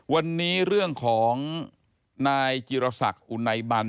วันนี้เรื่องของนายจิรษักอุไนบัน